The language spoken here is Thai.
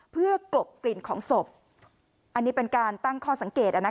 เพื่อกลบกลิ่นของศพอันนี้เป็นการตั้งข้อสังเกต